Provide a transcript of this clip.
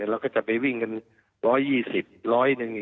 เราก็จะไปวิ่งกัน๑๒๐